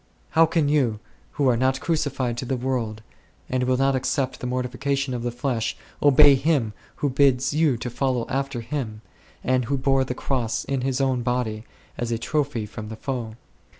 How can you, who are not crucified to the world, and will not accept the mortification of the flesh, obey Him Who bids you follow after Him, and Who bore the Cross in His own body, as a trophy from the foe